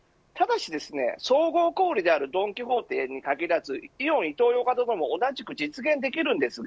ただし、総合小売であるドン・キホーテに限らずイオンやイトーヨーカドーも同じく実現できます。